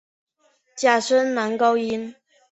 假声男高音。